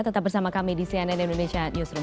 tetap bersama kami di cnn indonesia newsroom